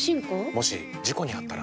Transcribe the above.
もし事故にあったら？